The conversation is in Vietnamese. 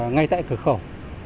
ngay tại cửa khẩu